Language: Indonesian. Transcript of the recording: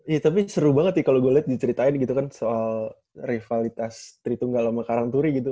iya tapi seru banget nih kalo gue liat diceritain gitu kan soal rivalitas tri tunggal sama karangturi gitu